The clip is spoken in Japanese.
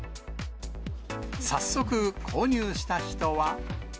早速、購入した人は。